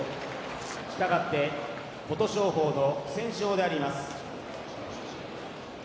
したがって琴勝峰の不戦勝であります。